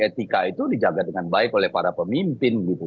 etika itu dijaga dengan baik oleh para pemimpin gitu